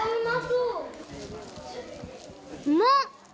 うまっ！